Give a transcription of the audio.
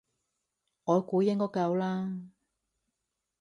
我估應該夠啦